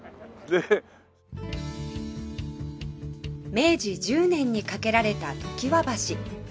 明治１０年に架けられた常磐橋